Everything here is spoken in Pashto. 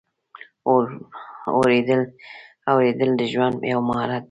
اورېدل د ژوند یو مهارت دی.